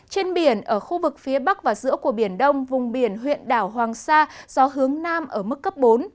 trên biển ở khu vực phía bắc và giữa của biển đông vùng biển huyện đảo hoàng sa gió hướng nam ở mức cấp bốn